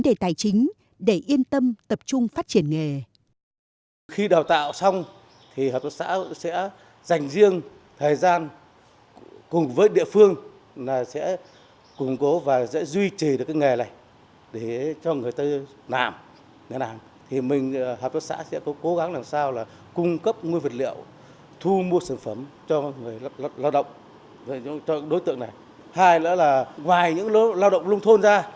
không có lo ngại về vấn đề tài chính để yên tâm tập trung phát triển nghề